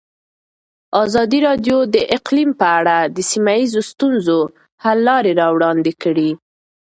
ازادي راډیو د اقلیم په اړه د سیمه ییزو ستونزو حل لارې راوړاندې کړې.